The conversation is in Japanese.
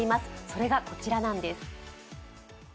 それがこちらなんです。